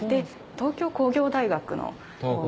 東京工業大学の方に。